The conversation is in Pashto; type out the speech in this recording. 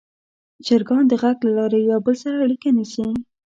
چرګان د غږ له لارې یو بل سره اړیکه نیسي.